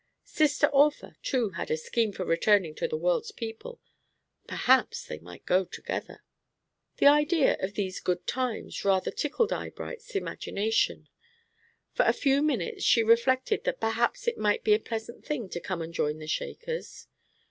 Sister Orphah, too, had a scheme for returning to the world's people perhaps they might go together. The idea of these "good times" rather tickled Eyebright's imagination. For a few minutes she reflected that perhaps it might be a pleasant thing to come and join the Shakers.